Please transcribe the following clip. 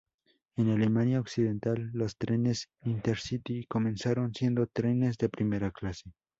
En Alemania Occidental los trenes Intercity comenzaron siendo trenes de primera clase.